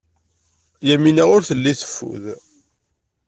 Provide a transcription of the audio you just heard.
Yamina ur telli teffud.